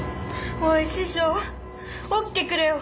おい師匠起きてくれよ！